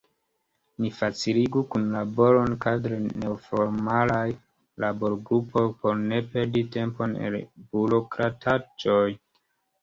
Ni faciligu kunlaboron kadre de neformalaj laborgrupoj por ne perdi tempon en burokrataĵoj.